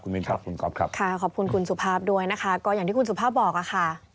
ขอบคุณคุณสุภาพด้วยนะคะก็อย่างที่คุณสุภาพบอกนะคะ